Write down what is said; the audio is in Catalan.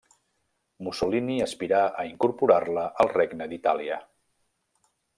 Mussolini aspirà a incorporar-la al Regne d'Itàlia.